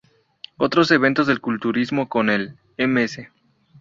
Otros eventos de culturismo como el Ms.